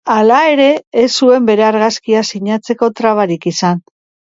Hala ere, ez zuen bere argazkia sinatzeko trabarik izan.